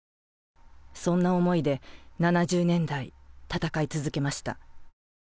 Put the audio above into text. そんな思いで７０年代斗い続けました。